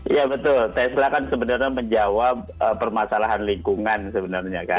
iya betul tesla kan sebenarnya menjawab permasalahan lingkungan sebenarnya kan